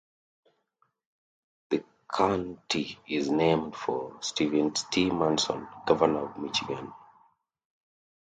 The county is named for Stevens T. Mason, Governor of Michigan.